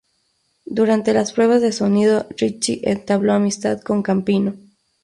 Durante las pruebas de sonido, Ritchie entabló amistad con Campino.